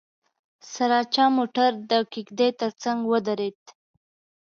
سراچه موټر د کېږدۍ تر څنګ ودرېد.